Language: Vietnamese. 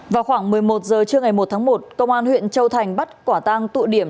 vào khoảng một mươi một h trưa ngày một tháng một công an huyện châu thành bắt quả tang tụ điểm